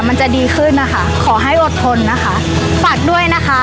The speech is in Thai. มันจะดีขึ้นนะคะขอให้อดทนนะคะฝากด้วยนะคะ